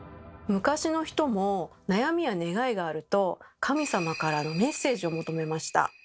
昔の人も悩みや願いがあると神様からのメッセージを求めました。